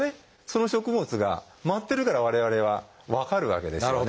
その食物が舞ってるから我々は分かるわけですよね。